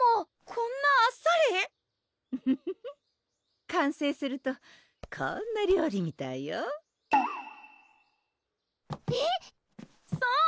こんなあっさり⁉フフフ完成するとこんな料理みたいよえっ⁉そう！